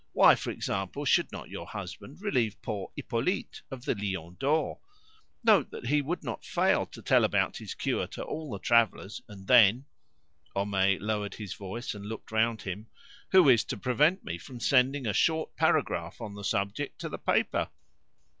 Why, for example, should not your husband relieve poor Hippolyte of the 'Lion d'Or'? Note that he would not fail to tell about his cure to all the travellers, and then" (Homais lowered his voice and looked round him) "who is to prevent me from sending a short paragraph on the subject to the paper?